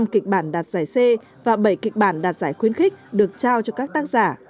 năm kịch bản đạt giải c và bảy kịch bản đạt giải khuyến khích được trao cho các tác giả